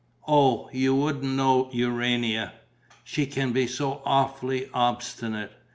Oh, you wouldn't know Urania! She can be so awfully obstinate.